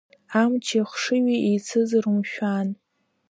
Амчи ахшыҩи еицызар умшәан!